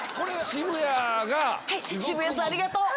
渋谷さんありがとう！